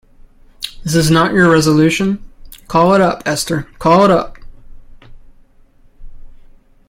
This is not your resolution; call it up, Esther, call it up!